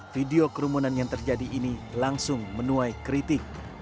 video kerumunan yang terjadi ini langsung menuai kritik